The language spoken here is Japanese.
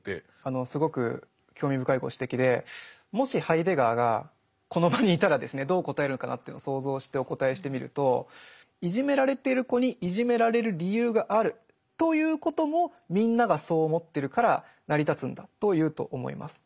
すごく興味深いご指摘でもしハイデガーがこの場にいたらですねどう答えるのかなというのを想像してお答えしてみると「いじめられている子にいじめられる理由があるということもみんながそう思ってるから成り立つんだ」と言うと思います。